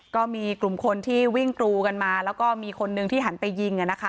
ก็มีกลุ่มคนที่วิ่งกรูกันมาแล้วก็มีคนนึงที่หันไปยิง